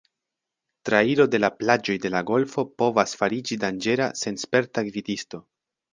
Trairo de la plaĝoj de la golfo povas fariĝi danĝera sen sperta gvidisto.